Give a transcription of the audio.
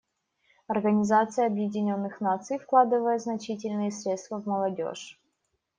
Организация Объединенных Наций вкладывает значительные средства в молодежь.